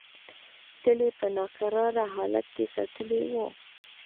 تل یې په ناکراره حالت کې ساتلې وه.